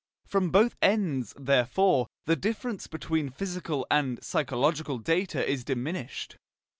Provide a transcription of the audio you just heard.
From both ends, therefore, the difference between physical and psychological data is diminished.